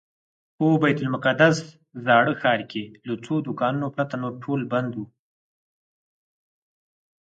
په بیت المقدس زاړه ښار کې له څو دوکانونو پرته نور ټول بند و.